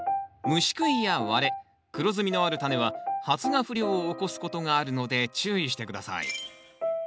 虫食いや割れ黒ずみのあるタネは発芽不良を起こすことがあるので注意して下さい。